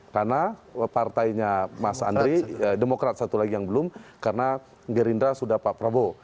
karena partainya mas andri demokrat satu lagi yang belum karena gerindra sudah pak provo